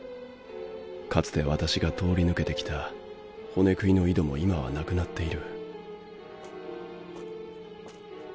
かつて私が通り抜けてきた骨喰いの井戸も今はなくなっている